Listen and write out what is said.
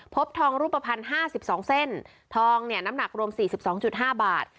ทองรูปภัณฑ์๕๒เส้นทองเนี่ยน้ำหนักรวม๔๒๕บาท